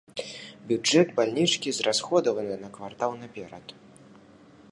Бюджэт бальнічкі зрасходаваны на квартал наперад.